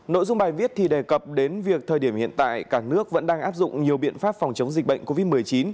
nội dung bài viết thì đề cập đến việc thời điểm hiện tại cả nước vẫn đang áp dụng nhiều biện pháp phòng chống dịch bệnh covid một mươi chín